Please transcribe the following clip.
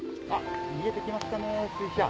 見えて来ましたね。